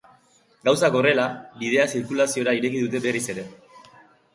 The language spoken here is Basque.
Gauzak horrela, bidea zirkulaziora ireki dute berriz ere.